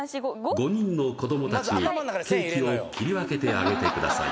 ５人の子どもたちにケーキを切り分けてあげてください